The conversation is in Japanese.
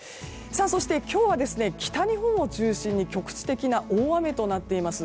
そして、今日は北日本を中心に局地的な大雨となっています。